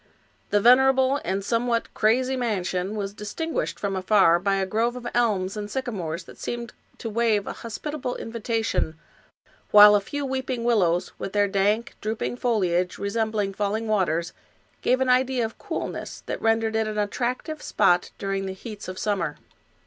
The venerable and somewhat crazy man sion was distinguished from afar by a grove of elms and sycamores that seemed to wave a hospitable invitation, while a few weeping willows, with their dank, drooping foliage, resembling falling waters, gave an idea of cool ness that rendered it an attractive spot during the heats of summer.